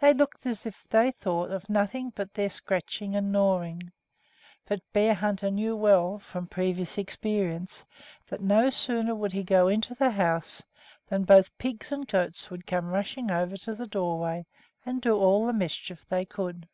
They looked as if they thought of nothing but their scratching and gnawing; but Bearhunter knew well, from previous experience, that no sooner would he go into the house than both pigs and goats would come rushing over to the doorway and do all the mischief they could.